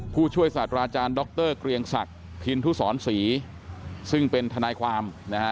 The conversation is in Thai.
ผู้ช่วยศาสตราอาจารย์ดรเกรียงศักดิ์พินทุศรศรีซึ่งเป็นทนายความนะฮะ